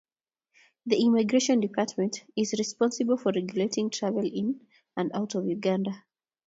The immigration department is responsible for regulating travel in and out of Uganda.